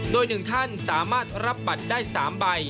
โดย๑ท่านสามารถรับบัตรได้๓ใบ